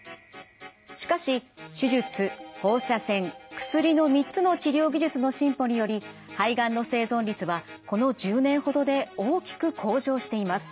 しかし手術放射線薬の３つの治療技術の進歩により肺がんの生存率はこの１０年ほどで大きく向上しています。